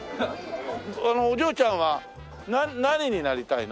お嬢ちゃんは何になりたいの？